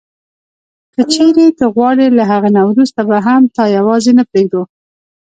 که چیري ته غواړې له هغه نه وروسته به هم تا یوازي نه پرېږدو.